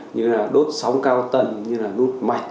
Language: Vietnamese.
như là đốt sóng cao tần như là nút mạch